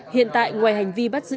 hiện tại ngoài hành vi bắt giữ